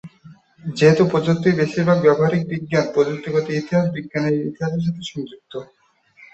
যেহেতু প্রযুক্তির বেশিরভাগই ব্যবহারিক বিজ্ঞান, প্রযুক্তিগত ইতিহাস বিজ্ঞানের ইতিহাসের সাথে সংযুক্ত।